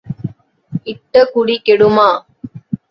இட்ட குடி கெடுமா?